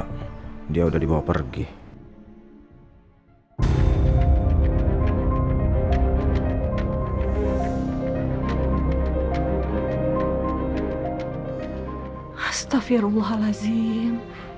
apa yang dilarang kenapa malah dilakukan